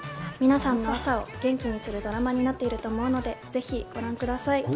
皆さんの朝を元気にするドラマになっていますので、ぜひご覧ください。